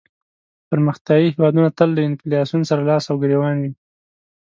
پرمختیایې هېوادونه تل له انفلاسیون سره لاس او ګریوان وي.